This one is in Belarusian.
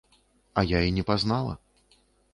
А я і не пазнала.